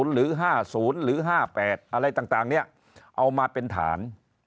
หรือ๕๐หรือ๕๘อะไรต่างเนี่ยเอามาเป็นฐาน